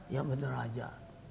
ya benar saja